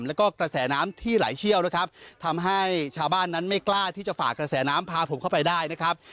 แล้วก็กระแสน้ำที่ไหลเชี่ยวนะครับทำให้ชาวบ้านนั้นไม่กล้าที่จะฝากกระแสน้ำพาผมเข้าไปได้นะครับ